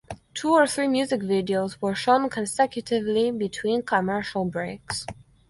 Two or three music videos were shown consecutively between commercial breaks.